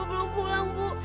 bapak belum pulang ibu